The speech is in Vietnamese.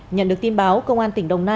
nhận được tin báo công an tp hcm